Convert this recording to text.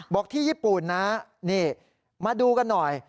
ที่ญี่ปุ่นนะนี่มาดูกันหน่อย